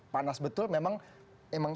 panas betul memang